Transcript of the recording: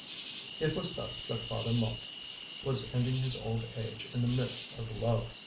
It was thus that Father Mouque was ending his old age in the midst of love.